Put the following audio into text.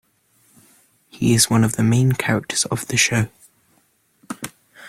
He is one of the main characters of the show.